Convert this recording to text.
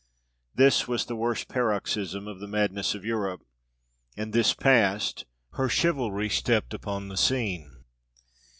This was the worst paroxysm of the madness of Europe; and this passed, her chivalry stepped upon the scene.